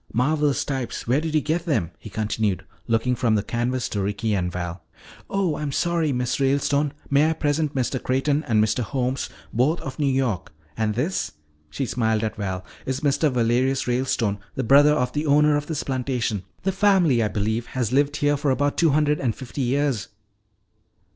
Marvelous types, where did you get them?" he continued, looking from the canvas to Ricky and Val. "Oh, I am sorry. Miss Ralestone, may I present Mr. Creighton, and Mr. Holmes, both of New York. And this," she smiled at Val, "is Mr. Valerius Ralestone, the brother of the owner of this plantation. The family, I believe, has lived here for about two hundred and fifty years."